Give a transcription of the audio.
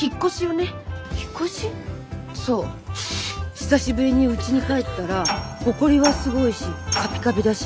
久しぶりにうちに帰ったらほこりはすごいしカピカピだし